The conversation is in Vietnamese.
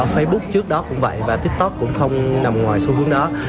facebook trước đó cũng vậy và tiktok cũng không nằm ngoài xu hướng đó